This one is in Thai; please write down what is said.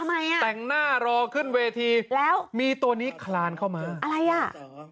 ทำไมอ่ะแต่งหน้ารอขึ้นเวทีแล้วมีตัวนี้คลานเข้ามาอะไรอ่ะ